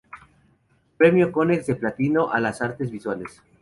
Premio Konex de Platino a las Artes Visuales.